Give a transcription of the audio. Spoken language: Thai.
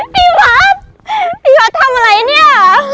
พี่พัฒน์พี่พัฒน์ทำอะไรเนี่ย